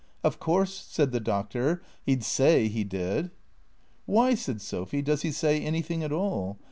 " Of course," said the Doctor, " he 'd say he did." " Why," said Sophy, " does he say anything at all